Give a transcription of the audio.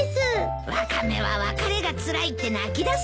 ワカメは別れがつらいって泣きだすなよ。